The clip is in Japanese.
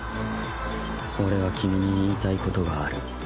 俺は君に言いたいことがある。